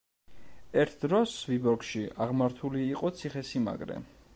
ერთ დროს, ვიბორგში აღმართული იყო ციხესიმაგრე.